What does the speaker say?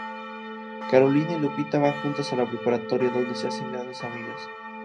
Carolina y Lupita van juntas a la preparatoria, donde se hacen grandes amigas.